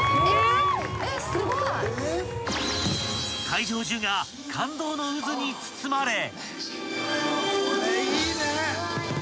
［会場中が感動の渦に包まれ］